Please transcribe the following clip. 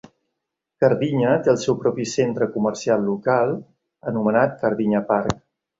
Kardinya té el seu propi centre comercial local, anomenat Kardinya Park.